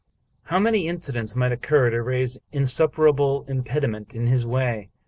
How many incidents might occur to raise an in superable impediment in his way !